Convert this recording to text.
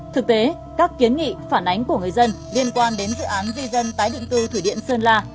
thực tế các kiến nghị phản ánh của người dân liên quan đến dự án di dân tái định cư thủy điện sơn la